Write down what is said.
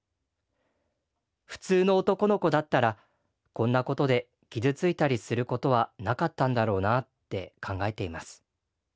普通の男の子だったらこんなことで傷ついたりすることはなかったんだろうなって考えています。